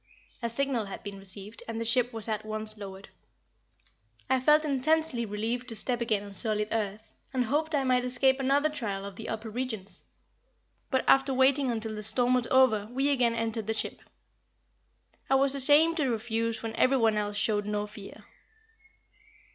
A signal had been received and the ship was at once lowered. I felt intensely relieved to step again on solid earth, and hoped I might escape another trial of the upper regions. But after waiting until the storm was over we again entered the ship. I was ashamed to refuse when everyone else showed no fear.